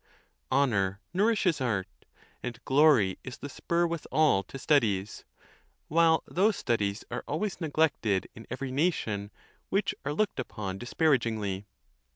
Honor nourishes art, and glory is the spur with all to studies; while those studies are always neg lected in every nation which are looked upon disparaging ly.